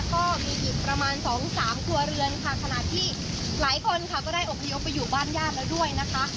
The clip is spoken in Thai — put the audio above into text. ก็มีอีกประมาณสองสามครัวเรือนค่ะขณะที่หลายคนค่ะก็ได้อบพยพไปอยู่บ้านญาติแล้วด้วยนะคะ